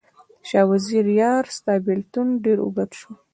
شاه وزیره یاره، ستا بیلتون ډیر اوږد شو